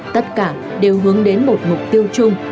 tất cả đều hướng đến một mục tiêu chung